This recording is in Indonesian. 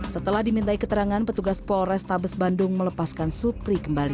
setelah dimintai keterangan petugas polrestabes bandung melepaskan supri kembali